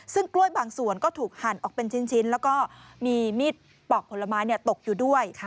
ซึ่งกล้วยบางส่วนก็ถูกหั่นออกเป็นชิ้นแล้วก็มีมีดปอกผลไม้ตกอยู่ด้วย